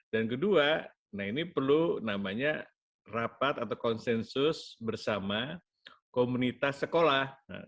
dan kedua ini perlu rapat atau konsensus bersama komunitas sekolah